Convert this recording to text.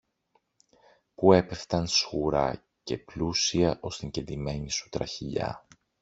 που έπεφταν σγουρά και πλούσια ως την κεντημένη του τραχηλιά.